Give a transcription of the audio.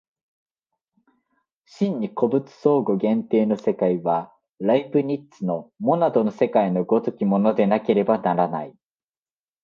真に個物相互限定の世界は、ライプニッツのモナドの世界の如きものでなければならない。